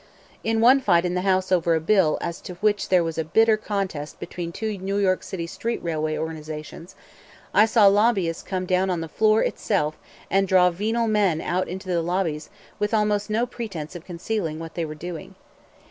In one fight in the House over a bill as to which there was a bitter contest between two New York City street railway organizations, I saw lobbyists come down on the floor itself and draw venal men out into the lobbies with almost no pretense of concealing what they were doing.